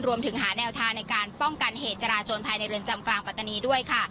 รวมถึงหาแนวทางในการป้องกันเหตุจราจนภายในเรือนจำกลางปัตตานีด้วยค่ะ